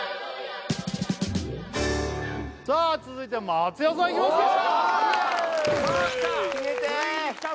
さあ続いては松也さんいきますかさあきた！